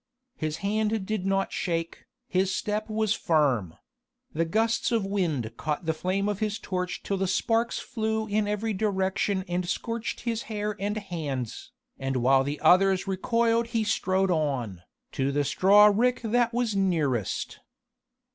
His hand did not shake, his step was firm: the gusts of wind caught the flame of his torch till the sparks flew in every direction and scorched his hair and his hands, and while the others recoiled he strode on, to the straw rick that was nearest.